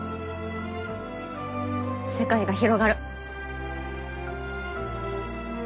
世界が広がる。